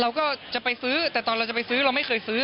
เราก็จะไปซื้อแต่ตอนเราจะไปซื้อเราไม่เคยซื้อ